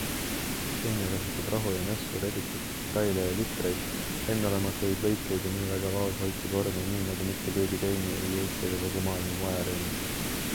Xenia kasutab rahu ja mässu, rebitud detaile ja litreid, enneolematuid lõikeid ja väga vaoshoitud vorme nii, nagu mitte keegi teine ei Eesti ega kogu maailma moeareenil.